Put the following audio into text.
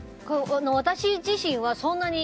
私自身は、そんなに。